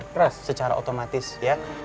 terus secara otomatis ya